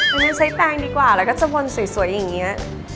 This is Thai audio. อย่างนั้นใช้แปลงดีกว่าแล้วก็จะวนสวยอย่างนี้